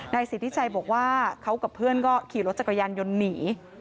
สิทธิชัยบอกว่าเขากับเพื่อนก็ขี่รถจักรยานยนต์หนี